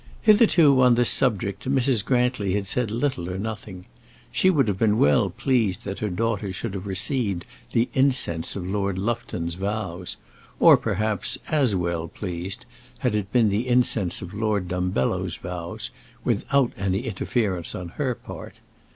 Hitherto, on this subject, Mrs. Grantly had said little or nothing. She would have been well pleased that her daughter should have received the incense of Lord Lufton's vows or, perhaps, as well pleased had it been the incense of Lord Dumbello's vows without any interference on her part.